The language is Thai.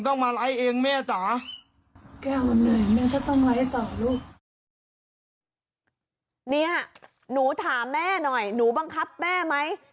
เนี่ยหนูถามแม่หน่อยหนูบังคับแม่ไหม